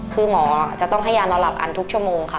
คือหมอจะต้องให้ยานอนหลับอันทุกชั่วโมงค่ะ